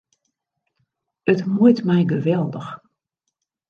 It muoit my geweldich.